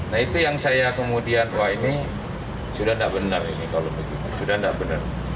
nah itu yang saya kemudian wah ini sudah tidak benar ini kalau begitu sudah tidak benar